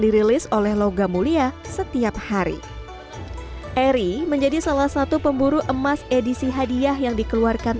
dirilis oleh logam mulia setiap hari eri menjadi salah satu pemburu emas edisi hadiah yang dikeluarkan